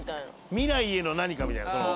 「未来への何か」みたいなその。